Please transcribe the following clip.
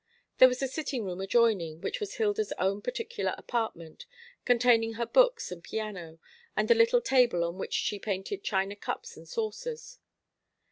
There was a sitting room adjoining, which was Hilda's own particular apartment, containing her books and piano, and the little table on which she painted china cups and saucers.